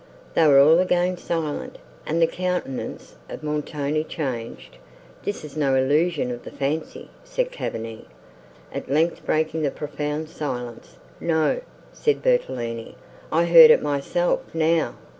They were all again silent, and the countenance of Montoni changed. "This is no illusion of the fancy," said Cavigni, at length breaking the profound silence.—"No," said Bertolini; "I heard it myself, now.